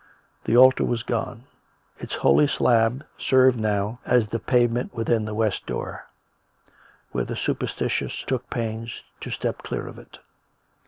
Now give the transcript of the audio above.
The altar was gone; its holy slab served now as the pavement within the west door, where the superstitious took pains to step clear of it.